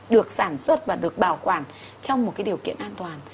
được sản xuất và được bảo quản trong một cái điều kiện an toàn